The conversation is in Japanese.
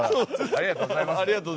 ありがとうございます。